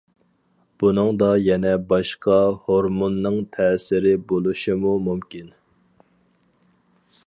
بۇنىڭدا يەنە باشقا ھورمۇننىڭ تەسىرى بولۇشىمۇ مۇمكىن.